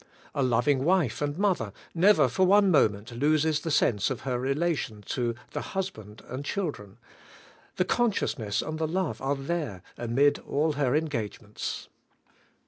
A loving wife and mother never for one moment loses the sense of her relation to the hus band and children: the consciousness and the love are there amid all her engagements.